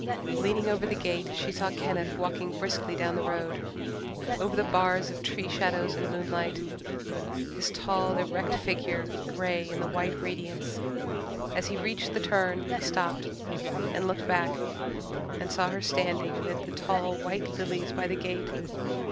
Leaning over the gate she saw Kenneth walking briskly down the road, over the bars of tree shadows and moonlight, his tall, erect figure grey in the white radiance. As he reached the turn he stopped and looked back and saw her standing amid the tall white lilies by the gate.